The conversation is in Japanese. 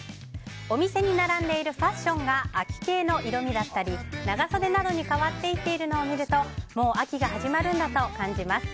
お店に並んでいるファッションが秋系の色味だったり長袖などに変わっていっているのを見るともう秋が始まるんだと感じます。